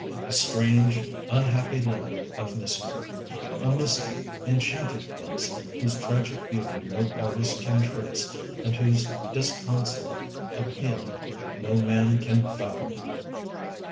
A strange, unhappy land of mystery; a misty, enchanted place whose tragic beauty no artist can trace and whose disconsolate appeal no man can fathom!